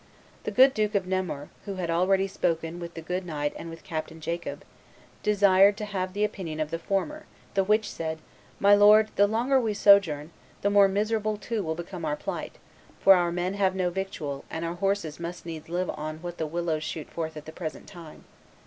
The good Duke of Nemours, who had already spoken with the good knight and with Captain Jacob, desired to have the opinion of the former, the which said, 'My lord, the longer we sojourn, the more miserable too will become our plight, for our men have no victual, and our horses must needs live on what the willows shoot forth at the present time.